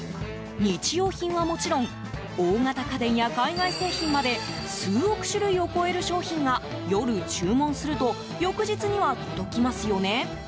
日用品はもちろん大型家電や海外製品まで数億種類を超える商品が夜注文すると翌日には届きますよね？